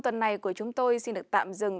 tuần này của chúng tôi xin được tạm dừng